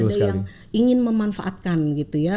ada yang ingin memanfaatkan gitu ya